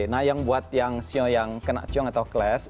nah yang buat yang sio yang kena ciong atau class